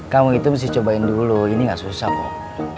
kamu itu mesti cobain dulu ini gak susah kok